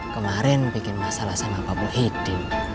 kemarin bikin masalah sama bapak bu hidim